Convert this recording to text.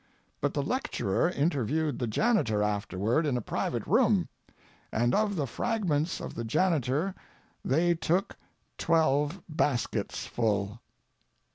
But the lecturer interviewed the janitor afterward in a private room, and of the fragments of the janitor they took "twelve basketsful."